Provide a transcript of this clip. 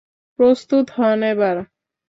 প্রস্তুত হন এবার!